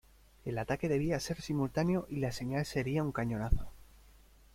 El ataque debía ser simultáneo y la señal sería un cañonazo.